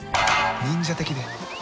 忍者的で。